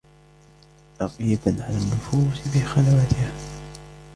رَقِيبًا عَلَى النُّفُوسِ فِي خَلَوَاتِهَا